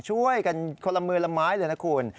ช่วยกันคนละมือละไม้เลยนะคุณ